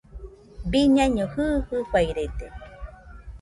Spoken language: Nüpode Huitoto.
Biñaino jɨɨ, fɨfairede